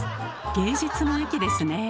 芸術の秋ですね。